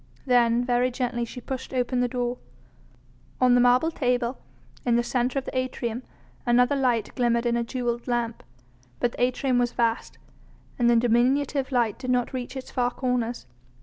Then very gently she pushed open the door. On the marble table, in the centre of the atrium, another light glimmered in a jewelled lamp; but the atrium was vast and the diminutive light did not reach its far corners.